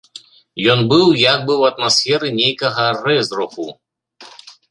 Ён быў як бы ў атмасферы нейкага рэзруху.